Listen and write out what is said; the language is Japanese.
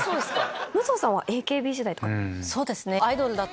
武藤さんはＡＫＢ時代とか。